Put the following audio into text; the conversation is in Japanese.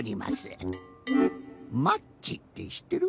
マッチってしってる？